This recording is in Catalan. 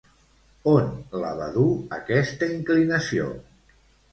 On la va dur aquesta inclinació?